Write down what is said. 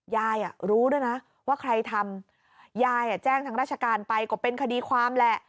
ยายรู้ด้วยนะว่าใครทำยายแจ้งทางราชการไปก็เป็นคดีความแหละ